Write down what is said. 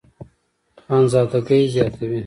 خانزادګۍ زياتوي